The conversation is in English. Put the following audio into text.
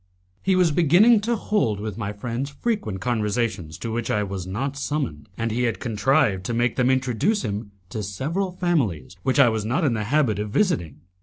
He was beginning to hold with my friends frequent conversations to which I was not summoned, and he had contrived to make them introduce him to several families which I was not in the habit of visiting.